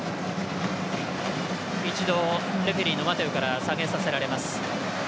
一度、レフェリーのマテウから下げさせられます。